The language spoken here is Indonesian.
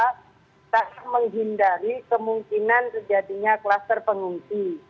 kita menghindari kemungkinan terjadinya kluster pengungsi